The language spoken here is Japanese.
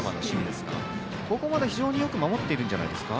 しかし、ここまで非常によく守っているんじゃないですか？